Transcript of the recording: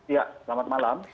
ya selamat malam